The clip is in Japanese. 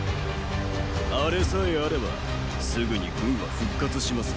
アレさえあればすぐに軍は復活します。